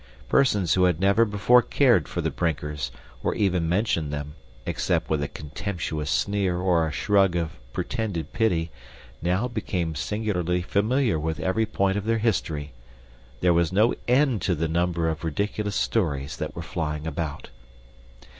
Persons who had never before cared for the Brinkers, or even mentioned them, except with a contemptuous sneer or a shrug of pretended pity, now became singularly familiar with every point of their history. There was no end to the number of ridiculous stories that were flying about.